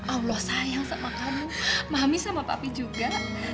allah sayang sama kamu mami sama papa juga